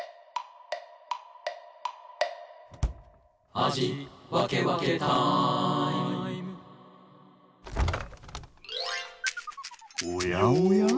「あじわけわけタイム」おやおや？